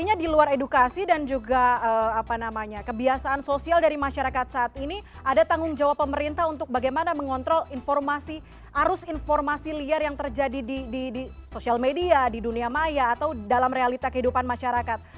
artinya di luar edukasi dan juga kebiasaan sosial dari masyarakat saat ini ada tanggung jawab pemerintah untuk bagaimana mengontrol informasi arus informasi liar yang terjadi di sosial media di dunia maya atau dalam realita kehidupan masyarakat